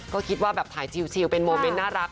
ก็คิดว่าแบบถ่ายชิลเป็นโมเมนต์น่ารัก